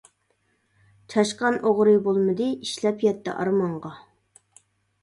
چاشقان ئوغرى بولمىدى، ئىشلەپ يەتتى ئارمانغا.